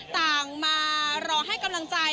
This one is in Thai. ต่างมารอให้กำลังใจ